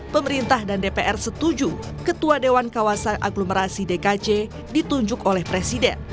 pemerintah dan dpr setuju ketua dewan kawasan aglomerasi dkc ditunjuk oleh presiden